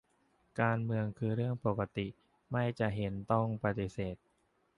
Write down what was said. การเมืองคือเรื่องปกติ ไม่จะเห็นต้องปฏิเสธ